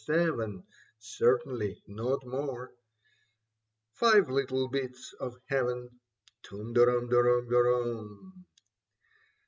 seven, certainly not more. Five little bits of heaven (Tum de rum, de rum, de rum).